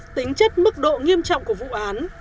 tính chất mức độ nghiêm trọng của vụ án